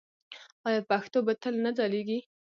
آیا پښتو به تل نه ځلیږي؟